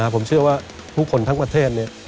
ผมเชื่อว่าผู้คนทั้งประเทศเนี่ย